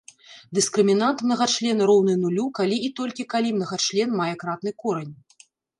Дыскрымінант мнагачлена роўны нулю, калі і толькі калі мнагачлен мае кратны корань.